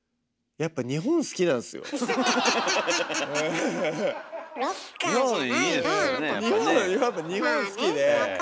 やっぱ日本好きで。